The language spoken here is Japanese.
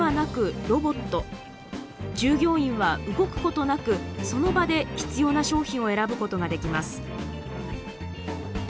従業員は動くことなくその場で必要な商品を選ぶことができます。